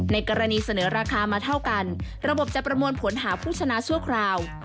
ในกรณีเสนอราคามาเท่ากันระบบจะประมวลผลหาผู้ชนะชั่วคราว